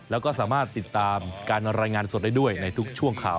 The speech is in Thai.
แล้วก็สามารถติดตามการรายงานสดได้ด้วยในทุกช่วงข่าว